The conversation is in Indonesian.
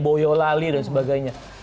boyo lali dan sebagainya